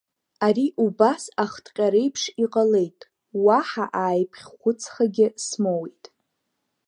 Ари убас ахҭҟьареиԥш иҟалеит, уаҳа ааиԥхьхәыцхагьы смоуит.